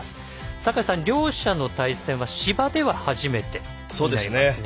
坂井さん、両者の対戦は芝では初めてになりますね。